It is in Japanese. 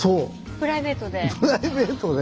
プライベートで？